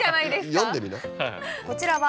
こちらは。